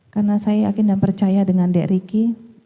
karena saya yakin dan percaya dengan dari ricky